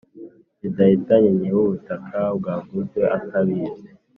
bidahitanye nyiributaka bwaguzwe atabizi.